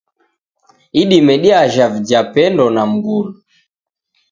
Idime diajha vijapendo na mungulu.